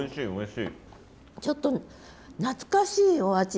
ちょっと懐かしいお味。